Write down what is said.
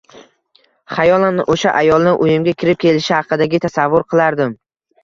Xayolan o`sha ayolni uyimga kirib kelishi haqidagi tasavvur qilardim